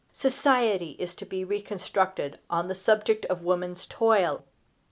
Society is to be reconstructed on the subject of woman's toil.